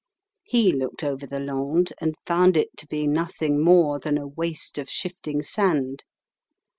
He looked over the Landes and found it to be nothing more than a waste of shifting sand.